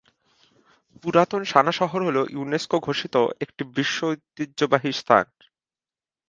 পুরাতন সানা শহর হল ইউনেস্কো ঘোষিত একটি বিশ্ব ঐতিহ্যবাহী স্থান।